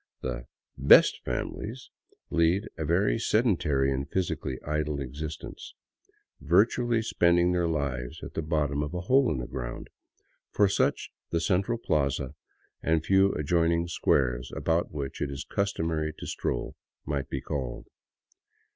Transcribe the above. The " best families " lead a very sedentary and physically idle existence, virtually spending their lives at the bottom of a hole in the ground, for such the central plaza and the few adjoining squares about which it is customary to stroll might be called.